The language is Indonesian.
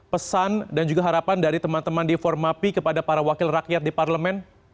pesan dan juga harapan dari teman teman di formapi kepada para wakil rakyat di parlemen